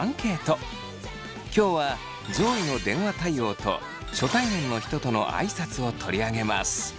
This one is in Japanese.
今日は上位の「電話対応」と「初対面の人との挨拶」を取り上げます。